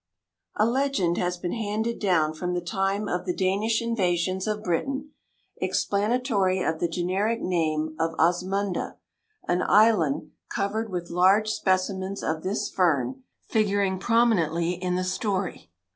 = A legend has been handed down from the time of the Danish invasions of Britain, explanatory of the generic name of Osmunda an island, covered with large specimens of this fern, figuring prominently in the story.